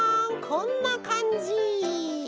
こんなかんじ。